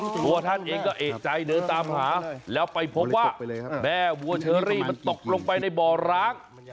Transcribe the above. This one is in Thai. ตัวท่านเองก็เอกใจเดินตามหาแล้วไปพบว่าแม่วัวเชอรี่มันตกลงไปในบ่อร้าง